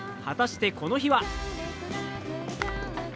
果たしてこの日は？